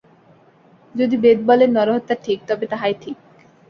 যদি বেদ বলেন, নরহত্যা ঠিক, তবে তাহাই ঠিক।